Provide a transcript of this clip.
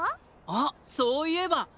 あっそういえば！